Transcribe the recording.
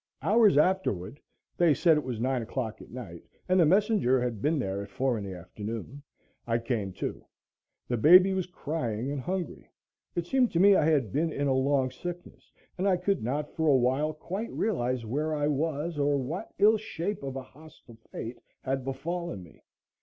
Hours afterward they said it was 9 o'clock at night, and the messenger had been there at 4 in the afternoon I came to. The baby was crying and hungry. It seemed to me I had been in a long sickness and I could not for a while quite realize where I was or what ill shape of a hostile fate had befallen me.